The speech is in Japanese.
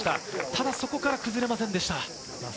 ただ、そこから崩れませんでした。